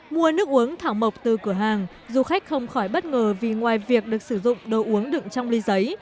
mua nước uống thảo mộc từ cửa hàng du khách không khỏi bất ngờ vì ngoài việc được sử dụng đồ uống đựng trong ly giấy